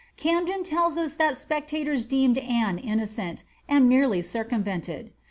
Camden tells us that the spectators deemed Anne innocent, and merely circumvented.